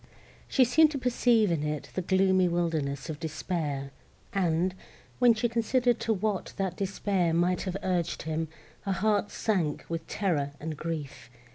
She seemed to perceive in it the gloomy wildness of despair; and, when she considered to what that despair might have urged him, her heart sunk with terror and grief.